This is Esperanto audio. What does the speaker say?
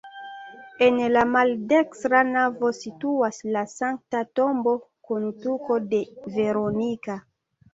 En la maldekstra navo situas la Sankta Tombo kun tuko de Veronika.